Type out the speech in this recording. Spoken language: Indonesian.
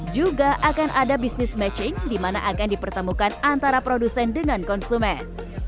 juga akan ada bisnis matching di mana akan dipertemukan antara produsen dengan konsumen